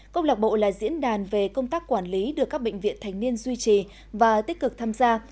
công lạc bộ là diễn đàn về công tác quản lý được các bệnh viện thành niên duy trì và tích cực tham gia